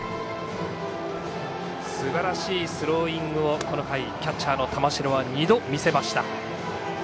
すばらしいスローイングをこの回、キャッチャーの玉城は２度、見せました。